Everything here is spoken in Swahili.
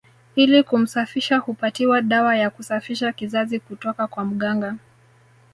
Ili kumsafisha hupatiwa dawa ya kusafisha kizazi kutoka kwa mganga